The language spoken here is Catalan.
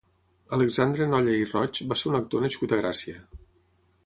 Alexandre Nolla i Roig va ser un actor nascut a Gràcia.